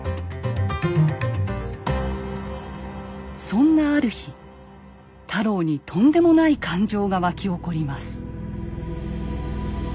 そんなある日太郎にとんでもない感情が湧き起こります。